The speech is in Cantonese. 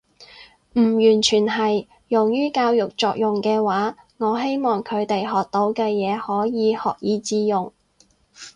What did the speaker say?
唔完全係。用於教育作用嘅話，我希望佢哋學到嘅嘢可以學以致用